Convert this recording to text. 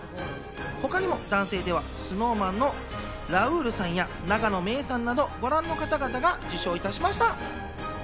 他にも男性ではＳｎｏｗＭａｎのラウールさん、永野芽郁さんなどご覧の方々が受賞しました。